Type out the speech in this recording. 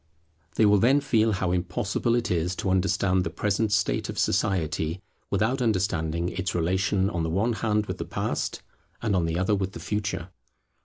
They will then feel how impossible it is to understand the present state of society, without understanding its relation on the one hand with the Past, and on the other with the Future.